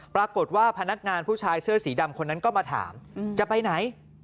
พนักงานผู้ชายเสื้อสีดำคนนั้นก็มาถามจะไปไหน